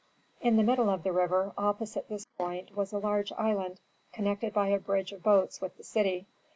In the middle of the river opposite this point was a large island connected by a bridge of boats with the city.